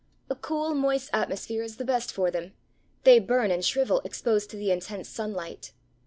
A cool, moist atmosphere is the best for them; they burn and shrivel exposed to the intense sunlight.